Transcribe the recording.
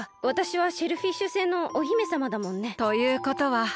わたしはシェルフィッシュ星のお姫さまだもんね。ということは。